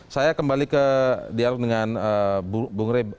saya kembali ke dialog dengan bung rep